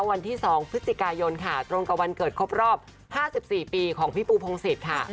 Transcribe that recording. วันที่๒พฤศจิกายนค่ะตรงกับวันเกิดครบรอบ๕๔ปีของพี่ปูพงศิษย์ค่ะ